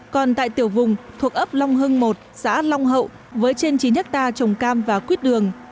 còn tại tiểu vùng thuộc ấp long hưng một xã long hậu với trên chí nhất ta trồng cam và quyết đường